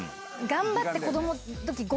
頑張って子供の時。